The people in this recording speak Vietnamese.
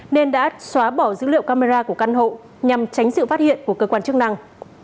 nên đã xóa bỏ dữ liệu camera của căn hộ nhằm tránh sự phát hiện của cơ quan chức năng